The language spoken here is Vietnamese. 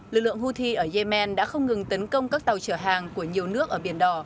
lực lượng houthi ở yemen đã không ngừng tấn công các tàu chở hàng của nhiều nước ở biển đỏ